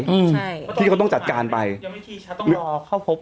ใช่ที่เขาต้องจัดการไปยังไม่มีที่จะต้องรอเข้าพบ